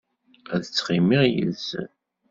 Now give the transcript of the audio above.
Ad ttɣimiɣ yid-sen.